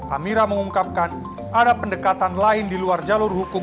amira mengungkapkan ada pendekatan lain di luar jalur hukum